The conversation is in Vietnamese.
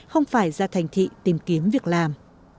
không phải ra thành thị tìm kiếm việc làm